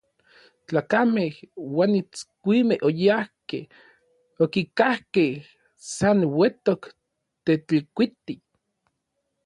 Tlakamej uan itskuimej oyajkej, okikajkej san uetok Tetlikuiti.